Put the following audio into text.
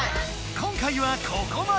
今回はここまで！